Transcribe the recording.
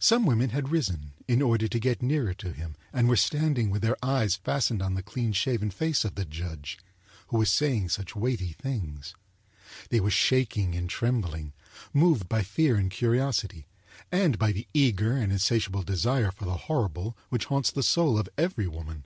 Some women had risen, in order to get nearer to him, and were standing with their eyes fastened on the clean shaven face of the judge, who was saying such weighty things. They, were shaking and trembling, moved by fear and curiosity, and by the eager and insatiable desire for the horrible, which haunts the soul of every woman.